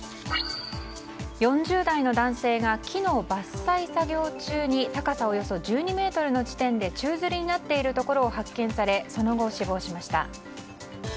４０代の男性が木の伐採作業中に高さおよそ１２ｍの地点で宙づりになっているところを発見されその後、死亡しました。